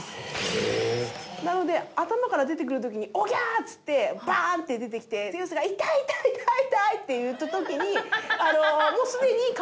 なので頭から出てくる時にオギャーッていってバンッて出てきてゼウスが痛い痛い痛い痛いって言った時に。